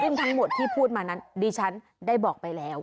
ซึ่งทั้งหมดที่พูดมานั้นดิฉันได้บอกไปแล้ว